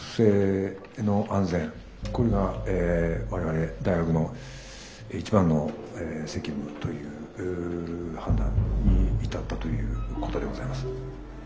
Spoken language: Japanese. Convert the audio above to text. これが我々大学の一番の責務という判断に至ったということでございます。